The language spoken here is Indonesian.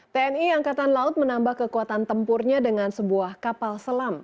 tni angkatan laut menambah kekuatan tempurnya dengan sebuah kapal selam